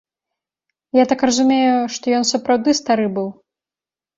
Я так разумею, што ён сапраўды стары быў.